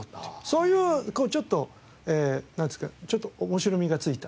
そういうこうちょっとなんていうかちょっと面白みがついた。